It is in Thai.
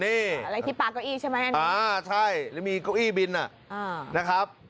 อะไรที่ปากเก้าอี้ใช่ไหมใช่มีเก้าอี้บินนะ